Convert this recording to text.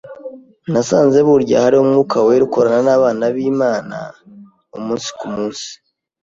Nasanze burya hariho Umwuka wera ukorana n’abana b’Imana umunsi ku munsi,